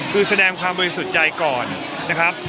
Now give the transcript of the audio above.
คือแสดงความบริสุทธิ์ใจก่อนนะครับ